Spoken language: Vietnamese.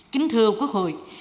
kính thưa quốc hội